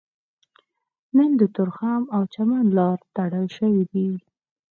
نن د تورخم او چمن لاره تړل شوې ده